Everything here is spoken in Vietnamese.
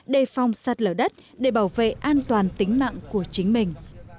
đề phòng sạt lở đất để bảo vệ an toàn tính mạng của chính mình